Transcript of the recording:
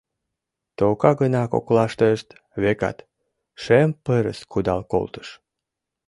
Тока гына коклаштышт, векат, шем пырыс кудал колтыш.